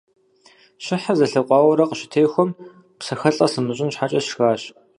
Щыхьыр зэлъэкъуауэурэ къыщытехуэм, псэхэлӀэ сымыщӀын щхьэкӀэ сшхащ.